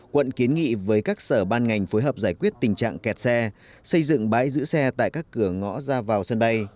quận kiến nghị với các sở ban ngành phối hợp giải quyết tình trạng kẹt xe xây dựng bãi giữ xe tại các cửa ngõ ra vào sân bay